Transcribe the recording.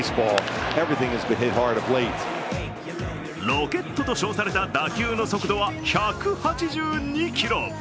ロケットと称された打球の速度は１８２キロ。